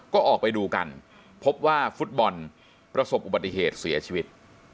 ก็ออกไปดูกันพบว่าฟุตบอลประสบอุบัติเหตุเสียชีวิต